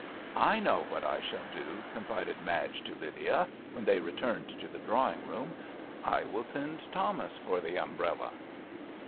"I know what I shall do," confided Madge to Lydia, when they returned to the drawing room —'* I will send Thomas for the umbrella."